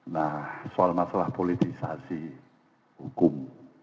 nah soal masalah politisasi hukum